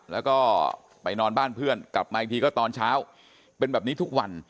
แล้วก็ไปนอนบ้านเพื่อนกลับมาอีกทีก็ตอนเช้าเป็นแบบนี้ทุกวัน